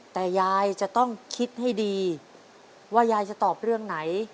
แต่ยายจะต้องคิดให้ดีว่ายายจะตอบเรื่องไหน